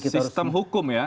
sistem hukum ya